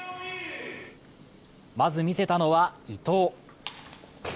まず見せたのは伊藤。